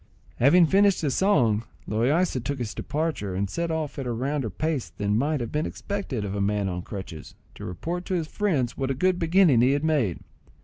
Having finished his song, Loaysa took his departure, and set off at a rounder pace than might have been expected of a man on crutches, to report to his friends what a good beginning he had made.